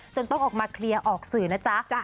ต้องออกมาเคลียร์ออกสื่อนะจ๊ะ